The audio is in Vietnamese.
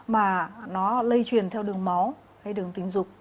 mà nó lây truyền theo đường máu hay đường tình dục